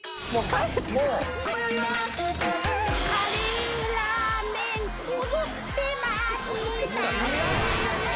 「カレーラーメン踊ってました」